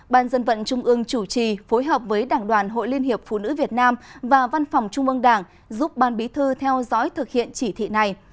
ban dân vận trung ương chủ trì phối hợp với đảng đoàn hội liên hiệp phụ nữ việt nam và văn phòng trung ương đảng giúp ban bí thư theo dõi thực hiện chỉ thị này